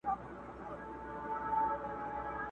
په سپینه ورځ غلو زخمي کړی تښتولی چنار؛